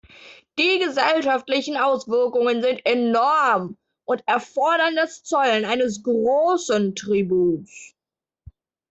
Die gesellschaftlichen Auswirkungen sind enorm und erfordern das Zollen eines großen Tributs.